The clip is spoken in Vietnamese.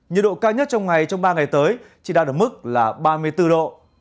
nhiệt độ cao nhất trong ngày trong ba ngày tới chỉ đạt ở mức là ba mươi bốn độ